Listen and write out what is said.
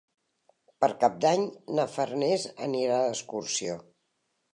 Per Cap d'Any na Farners anirà d'excursió.